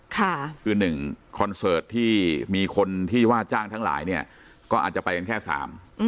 คือหนึ่งคอนเสิร์ตที่มีคนที่ว่าจ้างทั้งหลายเนี่ยก็อาจจะไปกันแค่สาม